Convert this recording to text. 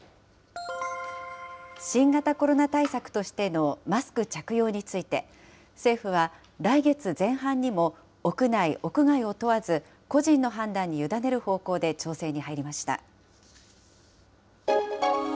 新型コロナ対策としてのマスク着用について、政府は来月前半にも、屋内、屋外を問わず個人の判断に委ねる方向で調整に入りました。